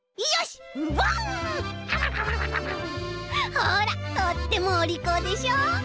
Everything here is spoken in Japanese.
ほらとってもおりこうでしょう？